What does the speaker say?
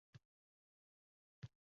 Ammam chochib, ko’zini ochdi.